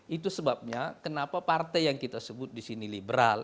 itu sebabnya kenapa partai yang kita sebut disini liberal